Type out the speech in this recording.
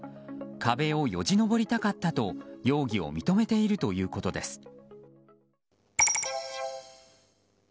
壁をよじ登りたかったと容疑を認めているということです。